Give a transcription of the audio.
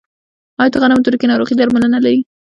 آیا د غنمو تورکي ناروغي درملنه لري؟